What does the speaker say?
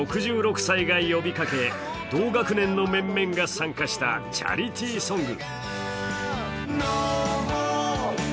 ６６歳が呼びかけ、同学年の面々が参加したチャリティーソング。